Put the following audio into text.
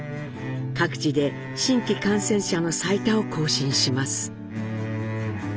各地で新規感染者の最多を更新します。